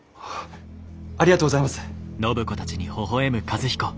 ありがとうございます。